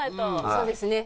そうですね。